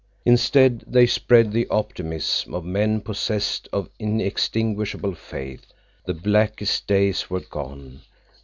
Instead, they spread the optimism of men possessed of inextinguishable faith. The blackest days were gone.